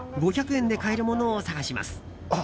５００円で買えるものを探します。